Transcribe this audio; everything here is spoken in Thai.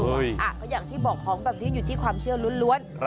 ก็อย่างที่บอกของแบบนี้อยู่ที่ความเชื่อล้วน